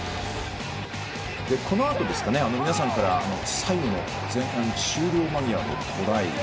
このあと、皆さんから最後の前半終了間際のトライ。